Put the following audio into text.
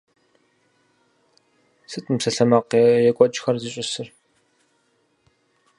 Сыт мы псалъэмакъ екӀуэкӀхэр зищӀысыр?